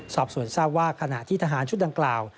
สอบสวนทราบว่าขณะที่ทหารชุดดังกล่าว